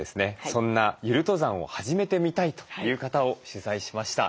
そんなゆる登山を始めてみたいという方を取材しました。